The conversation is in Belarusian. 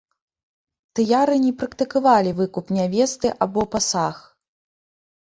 Тыяры не практыкавалі выкуп нявесты або пасаг.